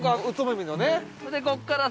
おつまみのね。